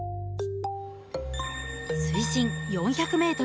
水深４００ｍ。